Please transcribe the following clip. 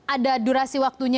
ada durasi waktunya